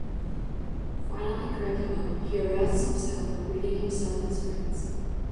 Finally cracking up, he arrests himself, reading himself his rights.